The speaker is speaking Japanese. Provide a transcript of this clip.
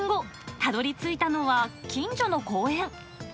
たどりついたのは、近所の公園。